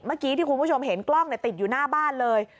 เมื่อกี้ที่คุณผู้ชมเห็นกล้องติดอยู่หน้าบ้านเลย